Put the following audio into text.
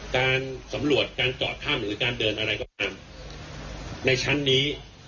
การสำรวจการเจาะถ้ำหรือการเดินอะไรก็ตามในชั้นนี้